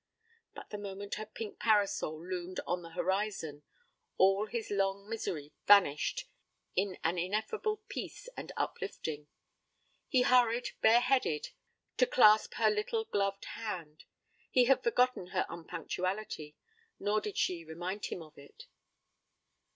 but the moment her pink parasol loomed on the horizon, all his long misery vanished in an ineffable peace and uplifting. He hurried, bare headed, to clasp her little gloved hand. He had forgotten her unpunctuality, nor did she remind him of it.